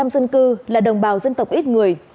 một trăm linh dân cư là đồng bào dân tộc ít người